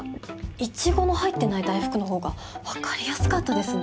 イチゴの入ってない大福のほうがわかりやすかったですね。